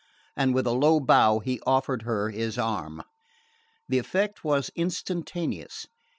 And with a low bow he offered her his arm. The effect was instantaneous.